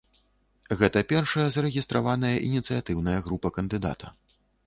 Гэта першая зарэгістраваная ініцыятыўная група кандыдата.